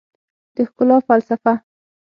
د ښکلا فلسفه